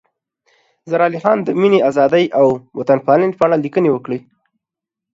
زار علي خان د مینې، ازادۍ او وطن پالنې په اړه لیکنې وکړې.